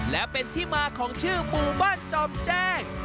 และเป็นที่มาของชื่อหมู่บ้านจอมแจ้ง